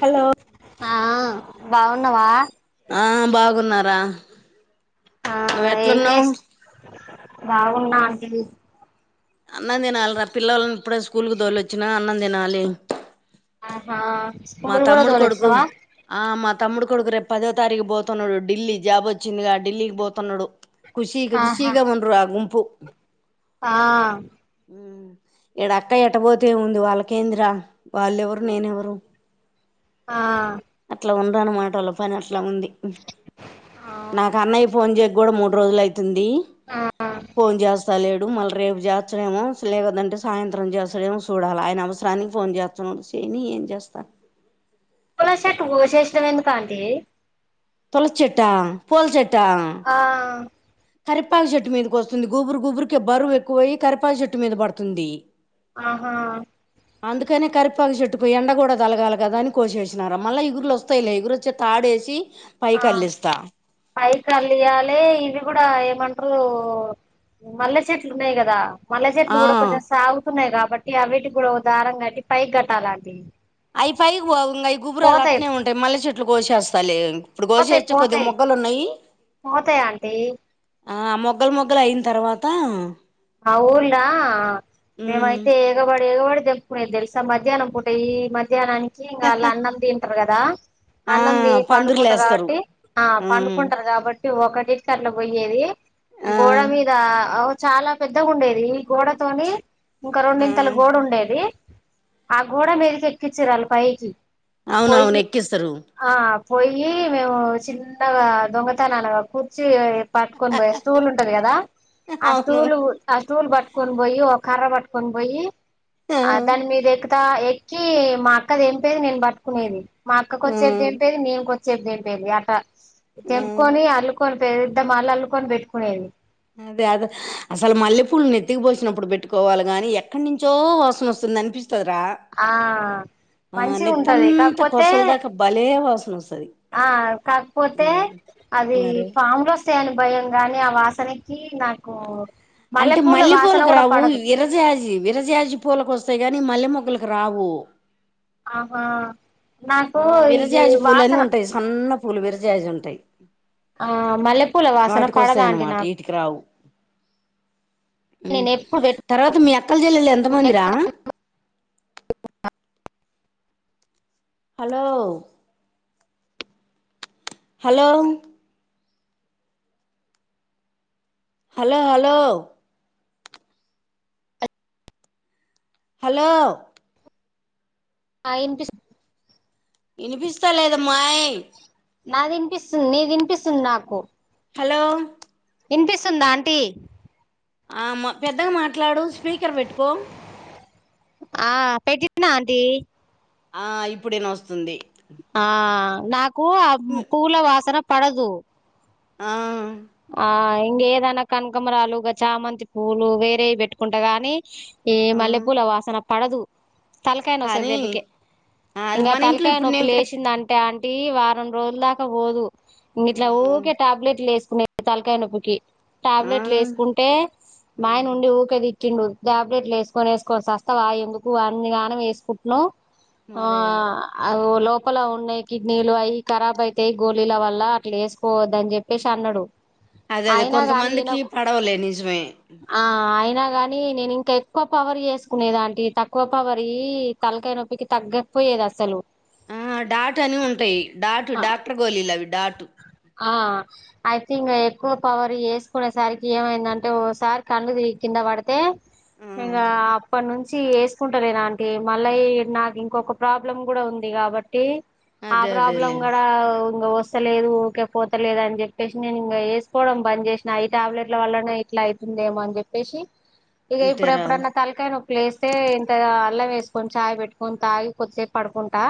Hello ఆ బాగున్నావా ఆ బాగున్నారా ఆ నువ్వు ఏం ఎట్లున్నావు చేస్ బాగున్నా అంటీ అన్నం తినాలి రా పిల్లలని ఇప్పుడే స్కూల్కి దోళొచ్చినా అన్నం తినాలి ఆహా మా స్కూల్ కూడా తమ్ముడు కొడుకు దూరొచ్నావా ఆ మా తమ్ముడు కొడుకు రేపు పదో తారీఖు పోతున్నాడు ఢిల్లీ జాబ్ వచ్చిందిగా ఢిల్లీకి పోతున్నాడు ఖుషీ గా ఆహా ఖుషిగా ఉండ్రు ఆ గుంపు ఆ ఈడ అక్కాయ్ ఎట్టబోతే ఏముంది వాళ్ళకేంద్రా వాళ్ళెవరు నేనెవరు ఆ అలా ఉండ్రు అన్మాట వాళ్ళ పని అట్లా ఉంది నాకు అన్నయ్ ఫోన్ చేయ్ కూడా మూడు రోజులు అయ్ తుంది ఆ ఫోన్ చేస్తా లేడు మళ్ళీ రేపు చేత్ డేమో స్లే కదంటే సాయంత్రం చేస్సడేమో సూడాల ఆయన అవసరానికి ఫోన్ చేస్తాండు చెయ్ని ఏం చేస్తా పూల చెట్లు కోసేసినావ్ ఎందుకు ఆంటీ తులసి చెట్టా పూల్చె ఆ కరిపాక్ చెట్టు మీదకి వస్తుంది గొబురు గుబురిక బరువు ఎక్కువయ్యి కరెపాక్ చెట్టు మీద పడుతుంది ఆహా అందుకనే కరెపాకు చెట్ పోయి ఎండ కూడా తలగాలి కదా అని కోసేష్నా రా మళ్ళా ఇగుర్లు వస్తాయ్లే ఇగురు వస్తే తాడేసి ఆ పైకి అల్లిస్తా పై కళ్ళేయాలే ఇది అ కూడా ఏమంట్రు మల్లె చెట్లు ఉన్నాయ్ కదా మల్లె ఆ చెట్లు కూడా కొంచెం సాగుతున్నాయి కాబట్టి అవిటి కూడా ఒక దారం కట్టి పైకి కట్టాల ఆంటి అవి పైకి పోం అ గుబురాలు అట్నే ఉంటాయి మల్లె చెట్లు కోసేస్తాలే ఇప్పుడు పోతాయి గోషేష్తే కొద్దిగా పోతాయి మొగ్గలు ఉన్నాయి పోతాయి ఆంటీ ఆ మొగ్గలు మొగ్గలు అయిన తర్వాత ఆ ఊర్లా ఉమ్ మేమైతే ఎగబడి ఎగబడి దెప్ ంపుకునేది దెల్సా మధ్యాహ్నం పూట ఈ మధ్యానానికి ఇంకా ఆళ్ళదుర్గ్ అన్నం తింటారు కదా ఆ అన్నంది పందిర్లు పండుకుంటారు ఏస్తారు కాబట్టి ఆ ఉమ్ పండుకుంటారు కాబట్టి ఒకటి కట్ల పోయ్యేది ఆ గోడ మీద ఒ చాలా పెద్దగా ఉండేది ఈ గోడ తోని ఇంకా ఆ రెండింతల గోడ ఉండేది ఆ గోడ మీదకి ఎక్కిచ్చిర్ వాల్ పైకి అవునవును ఎక్కిస్తరు పోయ్యి మేము చిన్నగా దొంగతనాలుగా కుర్చి ఏ పట్టుకొని పోయ స్టూల్ ఉంటది కదా ఆ అవును స్టూలు ఆ స్టూల్ పట్కొని పోయ్యి ఓ కర్ర పట్టుకొని పోయ్యి ఆ దాని మీద ఎక్తా ఎక్కి మా అక్క తెంపేది నేను పట్టుకునేది మా అక్క ఆ కొంచెప్ దెంపేద్ నేను కొంచెంప్ దెంపేద్ అట్ట తెంపేది ఆ తెంపుకొని అల్లుకొ పెద్ద మళ్ళ అల్లుకొని పెట్టుకునేది అదే అదే అసలు మల్లె పూలు నెత్తికిపోసినప్పుడు పెట్టుకోవాలి గాని ఎక్కడ్నుంచో వాసన వస్తుంది అనిపిస్ ఆ ఆ మంచిగా ఉంటది నెత్తంతా కాకపోతే కొసల్ దాకా భలే వాసన వస్తది ఆ కాక్పోతే ఉమ్ అది మరి పామ్ లు వస్తాయను భయం గాని ఆ వాసనకి నాకు అంటే మల్లెపూల మల్లె వాసన పూలకు కూడా రావు పడదు విరజాజి విరజాజి పూలకు వస్ వస్తాయ్ గానీ మల్లె మొగ్గలకు రావు ఆహా! నాకు ఆ ఇది విరజాజ్ పూలు అన్న వాసన ఉంటాయ్, సన్న పూలు విరజాజ్ ఉంటాయి ఆ మల్లెపూల వాసన వాటికి పడదా అండి వస్తాయన్మాట నాకు వీటికి రావు ఉ నేను ఎప్పుడు పెట్టు తర్వాత మీ అక్కల్ చెల్లెలు ఎంత మందిరా hello hello hello hello hello ఆ ఇనిపిస్ వినిపిస్తలేదమ్మాయ్ నాద్ ఇనిపిస్తుంది నీ ఇనిపిస్తుంది నాకు హలో వినిపిస్తుందా ఆంటీ ఆ మా పెద్దగా మాట్లాడు స్పీకర్ పెట్టుకో ఆ పెట్టినా ఆంటీ ఆ ఇప్పుడు ఇనోస్తుంది. ఆ నాకు ఆ పూల వాసన పడదు ఆ ఆ ఇంక ఏదైనా కనకమ్మరాలు చామంతి పూలు వేరేవి పెట్టుకుంటా గానీ ఏ ఆ మల్లెపూల వాసన పడదు తలకాయ నొసది కానీ దెబ్బకే అది ఇంకా ఆ మన ఇంట్లో తలకాయ ఇప్పుడు నొప్పి నేను కట్ లేసింది అంటే అం టి వారం రోజుల దాకా పోదు ఇట్ల వామ్మో ఊకే టాబ్లెట్లు లేసు తలకాయనొప్పికి ఆ టాబ్లెట్లు వేసుకుంటే మాయన ఉండి ఊకే తి టిండు ట్యాబ్లెట్లు వేసుకొనే వేసుకోవ సస్తవా ఎందుకు అన్ని గనం వేసుకుంటున్నావ్ ఆ మరే అవు లోపల ఉన్నయి కిడ్నీలు అవి కరాబ్ అయితాయి గోలీల వల్ల అట్లా వేసుకోవద్ద అని చెప్పేసి అన్నాడు అదే అదే అయినా కానీ కొంతమందికి ఇనకు పడవలే నిజమే ఆ ఆయి గాని నేను ఇంకా ఎక్కువ పవర్ చేసుకునేది అంటీ తక్కువ పవర్ తలకాయ నొప్పికి తగ్గ పోయేదసలు ఆ డాట్ అని ఉంటయి డాటు ఆ డాక్టర్ గోలీలు అవి డాటు ఆ ఐ థింక్ ఎక్కువ పవర్ వేసుకునేసరికి ఏమైందంటే ఓసారి కళ్ళు తిరిగి కింద కింద వడితే ఆ ఇంకా అప్ప నుంచి చ్చి ఏసుకుంటలేనాంటీ మళ్ళ ఏ నాకు ఇంకొక ప్రాబ్లం కూడా ఉంది కాబట్టి ఆ అదే ప్రాబ్లం అదేలే కూడా ఇంగ వస్ లేదు ఓకే పోతలేదు అని చెప్పేసి నేను ఇంక వేసుకోవడం బంద్ చేసిన ఈ టాబ్లెట్ల వల్లనే ఇట్లా ఐతుంది అవుతుందేమో అని చెప్పేసి ఇక ఇప్పుడు అంతేరా ఎప్పుడన్నా తలకాయ నొప్ లేస్తే ఇంత అల్లం వేసుకొని చాయ్ పెట్టుకొని తాగి కొద్దిసేపు పడుకుంటా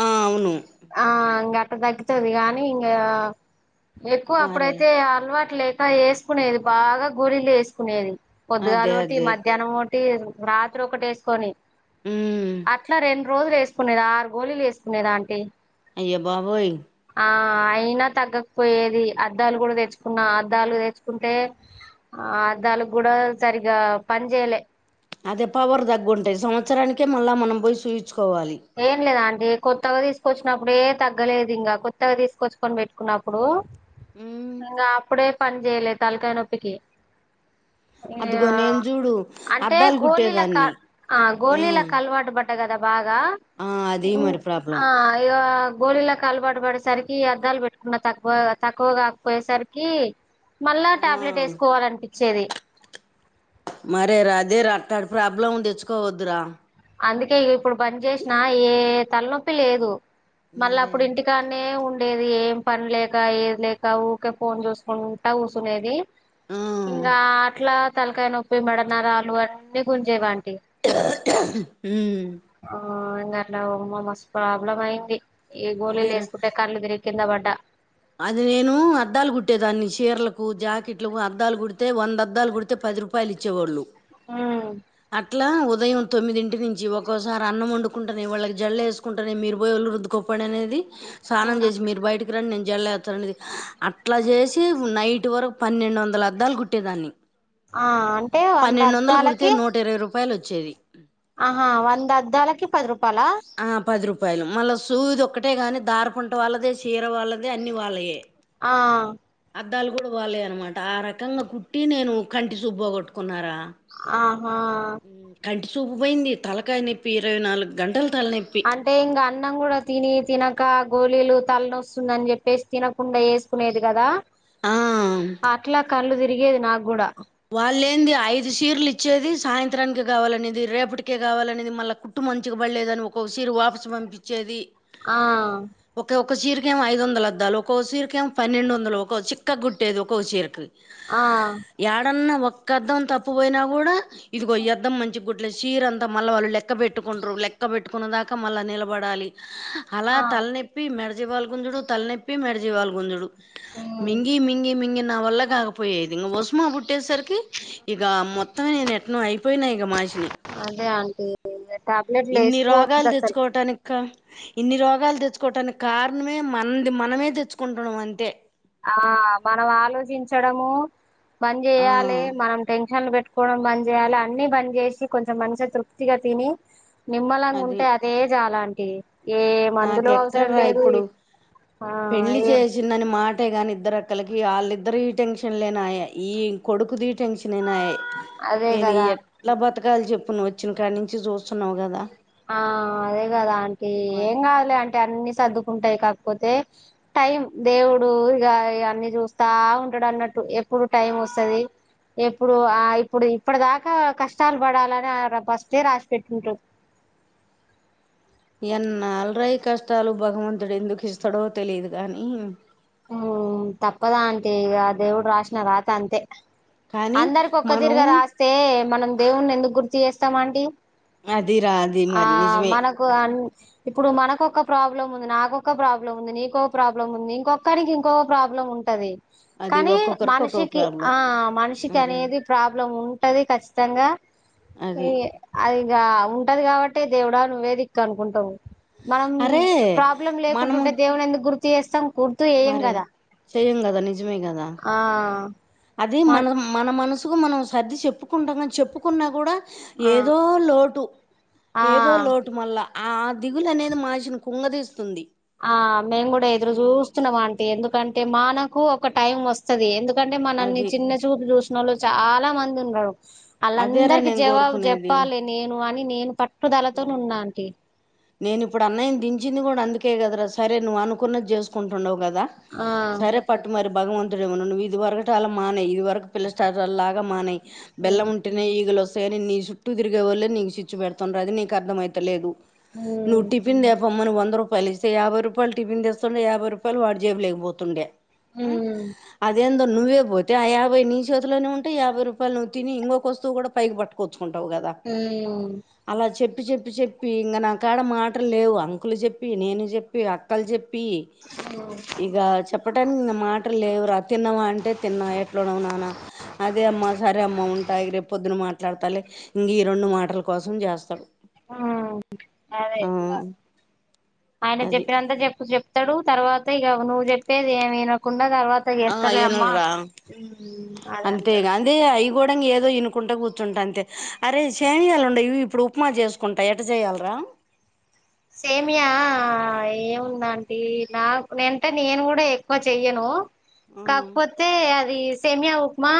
ఆ అవును ఆ ఇంకా అట్ట తగ్గుతది గానీ ఇంకా ఎక్కువ మరే అప్పుడైతే అలవాటు లేక వేసుకునేది బాగా గోలీలు వేసుకునేది పొద్గల అదే ఒకటి అదే మధ్యాహ్నం ఒకటి రాత్రి ఒకటి వేసుకొని ఉమ్ అట్లా రెండు రోజులు వేసుకునేది ఆరు గోళిలు వేసుకునేది ఆంటీ అయ్య బాబోయ్ ఆ అయినా తగ్గకపోయేది అద్దాలు కూడా తెచ్చుకున్నా అద్దాలు తెచ్చుకుంటే ఆ అదాలు కూడా సరిగా పని చేయలే అదే పవర్ తగ్గుంటయి సంవత్సరానికే మళ్ళా మనం పోయి సుయిచ్ ఏం లేద్ ఆంటీ కొత్ కొత్తగా తీసుకొచ్చినప్పుడే తగ్గలేదు ఇంకా కొత్తగా తీసుకొచ్చుకొని పెట్టుకున్నప్పుడు ఉమ్ ఇంగ అప్పుడే పని చెయ్యలే తల్కాయ నొపికి అదిగో నేను చూడు అంటే అద్దాలు గోళల కుట్టేదాన్ని ఆ గోళల అలవాటు బట్టటి [unintelligible] కద బాగ ఆ అది మరి ప్రాబ్లం ఆ ఇగ గోలిలలికి అలవాటు పడేసరికి అద్దాలు పెట్టుకున్న తక్కువ తక్కువగా కాకపోయేసరికి మళ్ళా ఆ టాబ్లెట్ వేసుకోవాలనిపిచేది మరేరా అదే రా అట్టాటి ప్రాబ్లం తెచ్చుకోవద్రా అందుకే ఇగ ఇప్పుడు బంద్ చేసిన ఏ తలనొప్పి లేదు మళ్ళ మరే అప్పుడు ఇంటికానే ఉం లేదు ఏం పని లేక ఏది లేక ఊకే ఫోన్ చూసుకుంటా కూచునేది ఆ ఇంగ అట్లా తలకాయ నొప్పి మెడ నరాలు అన్నీ గుంజేవాంటి ఉం ఆ ఇంగ అట్లా అమ్మో మస్తు ప్రాబ్లం అయింది ఈ గోలీలు అదేరా వేసుకుంటే కళ్ళు తిరిగి కింద పడ్డా అది నేను అద్దాలు కుట్టేదాన్ని చీరలకు జాకెట్లకు అద్దాలు కుడితే వంద అద్దాలు కుడితే పది రూపాయలు ఇచ్చేవాళ్ళు ఆ ఇలా ఉదయం తొమ్మిదింటి నుంచి ఒకోసారి అన్నం వండుకుంటేనే వాళ్ళకి జళ్ళ వేసుకుంటేనే మీరు బోయు వొళ్ళు రుద్దుకో అనేది స్నానం చేసి మీరు బయటకి రండి నేను జడలు యేత్త అనేది అట్లా చేసి నైట్ వరకు పన్నెండు వందల అద్దాలు కుట్టేదాన్ని ఆ అంటే వంద పన్నెండు వందలు కుడితే అద్దాలకి నూట ఇరవై రూపాయలు వచ్చేది ఆహా వంద అద్దలకి పది రూపాయ ఆ పది రూ పాయలు మళ్ళ సూది ఒక్కటే కానీ దార పుంట వాళ్ళదే చీర వాళ్ళదే అన్ని వాళ్ళయే ఆ అద్దాలు కూడా వాల్లయే అనమాట ఆ రకంగా కుట్టి నేను కంటి చూపు పోకొట్టుకున్నారా ఆ చూపు పోయింది తలకాయ నొప్పి ఇరవై నాలుగు గంటల తలనొప్పి అంటే ఇంగ అన్నం కూడా తిని తినక గోళీలు తల నో స్తుంది అని చెప్పేసి తినకుండా వేసుకునేది కదా ఆ అట్లా కళ్ళు తిరిగేది నాకు కూడా వాళ్ళు ఏంది ఐదు షీర్లు వచ్చేది సాయంత్రానికి కావాలనేది రేపటికే కావాలనేది మళ్ళ కుట్టు మంచిగా పడలేద అని ఒకొక చీర వాపసు పంపిచేది ఆ ఒక చీర కి ఏమో ఐదు వందలు అద్దాలు ఒక్కొ చీర కి ఏమో పన్నెండు వందలు ఒక చిక్కగా గుట్టేది ఒకో చీరకి ఆ ఏడన్నా ఒక్క అద్దం తప్పు పోయినా కూడా ఇదిగయ అద్దం మంచి గుట్టలే చీర అంతా మళ్ళ వాళ్ళు లెక్క పెట్టుకుంట్రు లెక్క పెట్టుకున్న దాకా మళ్ళా నిలబడాలి అలా ఆ తలనొప్పి మెడజివాళ గుంజుడు తలనొప్పి మెడజివాళ గుంజుడు ఉమ్ మింగి మింగి మింగి నా వళ్ల కాక పోయేది ఇంగ మా పుట్టేసరికి ఇగ మొత్తమే నేను ఎట్న అయిపోయినా ఇగా మాచని అదే ఆంటీ టాబ్లెట్లు ఇన్ని రోగాలు వేసుకోవద్దు అసలు తెచ్చుకోవటానికి కా ఇన్ని రోగాలు తెచ్చుకోవటానికి కారణమే మనది మనమే తెచ్చుకుంటున్నాం అంతే ఆ మనం ఆలోచించడము బని ఆ చేయాలి మనం టెన్షన్లు పెట్టు కోడం బంద్ చేయాలి అన్ని బంద్ చేసి కొంచెం మంచిగా తృప్తిగా తిని నిమ్మలంగా అది ఉంటే అదే జాలాంటి ఏ మందులు అవసరం నాకెక్కడ్రా లేదు ఇప్పుడు ఆ ఏం టే గాని ఇద్దరు అక్కలకి వాళ్ళిద్దరు ఈ టెన్షన్ లేనాయ ఈ కొడుకు దీట్ టెన్షన్నాయే అదే నేను కదా ఎట్లా బతకలే చె ఇప్పుడు నువ్వు వచ్చిన కనుంచి చూస్తున్నావు కదా ఆ అదే కదా అంటీ ఏం మరి కాదులే అం టన్ని సర్దుకుంటాయి కాకపోతే టైం దేవుడు ఇగ్ ఇయ్యన్ని చూస్తా ఉ టాడన్నట్టు ఎప్పుడు టైం వస్తది ఎప్పుడు ఆ ఇప్పుడు ఇప్పటి దాకా కష్టాలు పడాలని ఫస్టే రాసి పెట్టుంటారు ఎన్నాలురాయి కష్టాలు భగవంతుడు ఎందుకు ఇస్తాడో తెలిదు కాని మ్ తప్పదు అంటి ఇగ అ దేవుడు రాసిన రాత అంతే కానీ అందరికి ఒక్క మనం తిరిగా రాస్తే మనం దేవుని ఎందుకు గుర్తు చేస్తాం అంటి అది రా అది ఆ మరి నిజమే మనకు అన్ ఇప్పుడు మనకొక్క ప్రాబ్లం ఉంది నాకొక ప్రాబ్లం ఉంది నీకొక ప్రాబ్లం ఉంది ఇంకొ కానికి ఇంకో ప్రాబ్లం ఉంటది అది కానీ ఒక్కొక్కరికి ఒక్కొక్క మనిషికి ప్రాబ్లం ఆ మనిషికి అరే అనేది ప్రాబ్లం ఉంటది ఖచ్చితంగా అది ఈ అదిగ ఉంటది కాబట్టి దేవుడా నువ్వే దిక్కనుకుంటాం మనం అరే ప్రాబ్లం లేకుంటుంటే దేవున్ని ఎందుకు గుర్తు చేస్తాం గుర్తు చేయం మరే కదా చెయ్యం కదా నిజమే కదా ఆ అది మ మన మనసుకు మనం సర్ది చెప్పుకుంటాం కని చెప్పుకున్నా కూడా ఆ ఏదో లోటు ఆ ఏదో లోటు మళ్ళా ఆ దిగులు అనేది మాషిని కుంగదీస్తుంది ఆ మేము కూడా ఎదురు ఉమ్, చూస్తున్నాం అంటి ఎందుకంటే మానకు ఒక టైం వస్తది ఎందు కంటే మనల్ని అది చిన్న చూపు చూసిన వాళ్ళు చాలా మంది ఉన్నారు అదేరా వాళ్ళందరికి నేను జవాబు చెప్పాలి నేను అని నేను పట్ అరే నేను ఇప్పుడు అన్నయ్యను దించ్ కూడా అందుకే కదరా సరే నువ్వు అనుకున్నది చేసుకుంటుండవు కదా ఆ సరే పట్టు మరి భగవంతుడే ఉన్నాడు నువ్వు ఇది వరకు అలా మానేయ్ ఇది వరకు పిల్లసస్టలాగా మానేయ్ బెళ్ళం ఉమ్ ఉంటేనే ఈగలోస్తాయని నీ చుట్టూ తిరిగే వాళ్లే నీ చిచ్చు పెడతా తండ్రు అది నీకు అర్ధమైత లేదు నువ్ ఉమ్ టిఫిన్ తెపో మ్మని వంద రూపాయలు ఇస్తే యాబై రూపాయలు టిఫన్ తెస్తుండే యాభై రూపాయలు వాడి జేబులోకి పోతుండే ఉమ్ అది ఎం నువ్వే పోతే ఆ యాభై నీ చేతిలోనే ఉంటయి యాభై రూపాయలు నువ్వు తిని ఇంకొక వస్తువు కూడా పైకి పట్టుకోచ్ మ్ అలా చెప్పి చెప్పి చెప్పి ఇంగ నా కాడ మాటలు లేవు అంకులు చెప్పి నేను చెప్పి అక్కలు చెప్ ప్పి ఇగ చెప్పడానికి మ మాటలు లేవు రా తిన్నావా అంటే తిన్నా ఎట్లున్నవ్ నాన్న అదే అమ్మా సరే అమ్మా ఉంటాయి ఇగ రేప్ పొద్దు న మాట్లాడతాలే ఇంగ ఈ రెండు మాటల కోసం చేస్ అ అదే ఆ ఇంగ ఆయన అది చెప్పినంతా చెప్ చెప్ త్తడు తర్వాత ఇగ నువ్వు చెప్పేది ఏమి వినకుం డ తర్వాత ఆ చేస్తలే అమ్మా ఏనుర్రా అదే అంతేగా అంటాడు అందే అవి కూడా ఏదో వినుకుంట కూర్చుంటా అంతే అరే సెమీయాలు ఉండయి ఇప్పుడు ఉప్మా చేసుకుంటా ఎట్ట చేయ్యాలీరా [inaudible] సేమీయా ఏముందండి నా అంటే నేను కూడా ఎక్కువ చెయ్యను కాకపోతే అది సేమ్యా ఉప్మా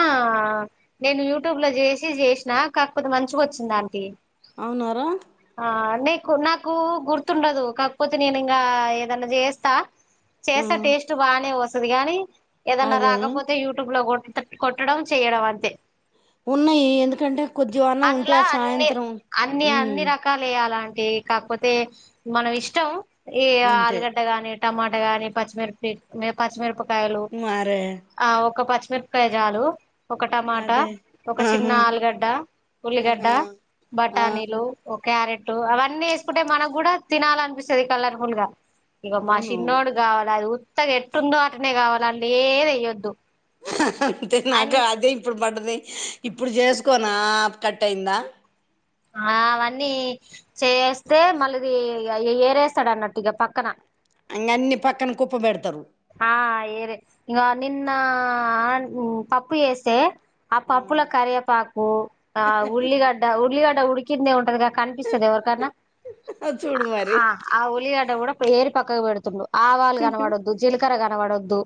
నేను యూట్యూబ్ ల చేసి చేసిన కాకపోతే మంచిగా వచ్చింది అంటి అవునారా క్ నాకు గుర్తుండదు కాకపోతే నేను ఇంకా ఏదన్నా చేస్తా చేసే టేస్ట్ బాగానే వస్తుంది గానీ ఏదన్నా అదే రాకపోతే యూట్యూబ్ లో కూడా అంతే కొట్టడం చెయ్యడం అంతే ఉన్నయి ఎందుకంటే కొంచెం అన్నం ఉంటే అందులా అది అన్ని సాయంత్రం అన్ని ఉమ్ అన్ని రకాలు ఎయాల కాకపోతే మనం ఇష్టం ఏ అంతే ఆలుగడ్డ కాని టమాటా గాని పచ్చిమిరప పచ్చిమిరపకాయలు మరే ఆ ఒక్క పచ్చిమిరపకాయ చాలు ఒక టమాటా అదే ఒక చిన్న ఆహా ఆలుగడ్డ ఉల్లిగడ్డ ఆహా ఆ బఠానీలు క్యారెట్టు అవన్నీ వేసుకుంటే మనకు కూడా తినాలనిపిస్తది కలర్ ఫుల్ గా ఇక మా అవును షిన్నోడు కావాలి అది ఉత్తగా ఎట్టుందో అటనే కావాల అల్లా ఏం ఎయ్యొద్దు హహ తిన్నాకా అదే ఇప్పుడు పడుదే ఇప్పుడు చేసుకోనా కట్ అయిందా ఆ అవన్నీ చేస్తే మళ్లీ మళ్లీ ఏ ఏరేస్తాడు అన్నట్టు ఇగ పక్కన ఇంగ అన్ని పక్కన కుప్ప పెడతరు ఆ ఏరే నిన్న పప్పు వేస్తే ఆ పప్పు పప్పుల కరియాపాకు ఆ ఉల్లిగడ్డ ఉల్లిగడ్డ ఉడికిందే ఉంటదిగా కనిపిస్తద ఎవరికన్నా ఆ చూడు మరి ఆ ఆ ఉల్లిగడ్డ కూడా ఏరి పక్కకు పెడుతడు ఆవాలు కనబడద్ జీలకర్ర కనబడదు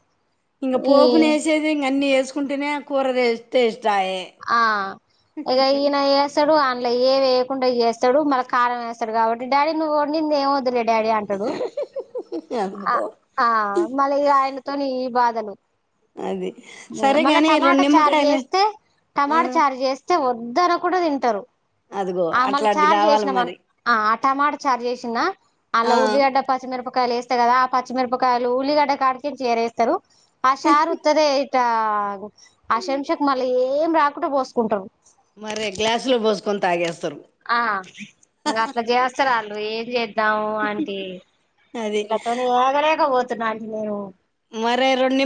ఇంక పోపునేసేది ఇంక అన్ని వేసుకుంటేనే కూర టేస్ ఆ ఇగ ఈయన ఏ సడు మళ్ళ ఏ వేయకుండా చేస్తడు మళ్ళ కారం వేస్తడు కాబట్టి డాడీ నువ్వొండింది ఏం వద్దులే డాడీ అంటడు ఆ అదిగో ఆ మళ్ల ఇగ ఆయనతోని ఈ బాధలు అది సరే మళ్ల గాని రెండు టమాటా చార్ నిమ్మకాయలు చేస్తే ఆ టమాట చార్చేస్తే వద్దనకుండా తింటారు అదిగో ఆ మళ్ళీ అట్లాంటిది చార్ కావాలి చేసినామన్ మరి ఆ అట్ టమాట చార్ చేసిన్నా ఆ అల్లా ఉల్లిగడ్డ పచ్చిమిరపకాయలు ఏస కదా ఆ పచ్చిమిరపకాయలు ఉల్లిగడ్డ కాడికి ఎరేస్తారు ఆ చారు ఉత్తదే ఆశంషకు మళ్ళీ ఏం రాకుండా పోసుకుంటరు మర్రే గ్లాస్లో పోసుకొని తాగేస్ ఆ అట్లా చేస్తరు ఆల్లు ఏం చేద్దాము ఆంటీ అది ఇళ్లతోటి ఏగలేకపోతున్న ఆంటీ నేను మరే రెండు నిమ్మ